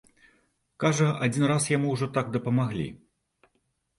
Кажа, адзін раз яму ўжо так дапамаглі.